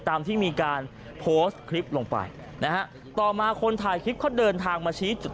ตามที่มีการโพสต์คลิปลงไปนะฮะต่อมาคนถ่ายคลิปเขาเดินทางมาชี้จุด